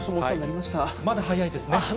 まだ早いですね。